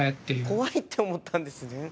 怖いって思ったんですね。